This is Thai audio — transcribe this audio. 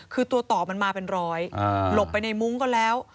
คือตัวต่อมันมาเป็นร้อยหลบไปในมุ้งก็แล้ว